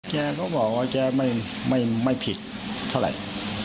แกก็บอกว่าแกไม่ผิดเท่าไหร่